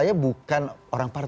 mas eko sebentar